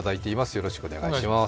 よろしくお願いします。